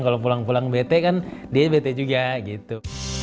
kalau pulang pulang bete kan dia bete juga gitu